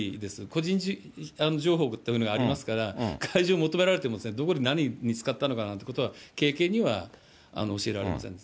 個人情報っていうのがありますから、開示を求められても、どこで何に使ったのかなんていうのは、軽々には教えられません。